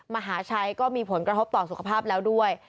มหาชัยก็มีผลกระทบต่อสุขภาพแล้วด้วย